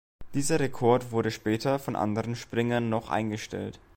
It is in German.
Dieser Rekord wurde später von anderen Springern noch eingestellt.